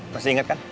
masih inget kan